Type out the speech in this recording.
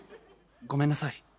ごめんなさい。